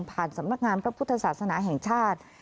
สำนักงานพระพุทธศาสนาแห่งชาติ